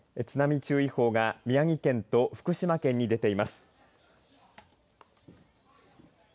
津波注意報が宮城県と福島県に出ています。